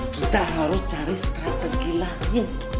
kita harus cari strategi lain